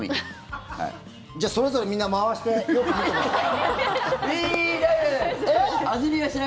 じゃあ、それぞれみんな回してよく見てもらって。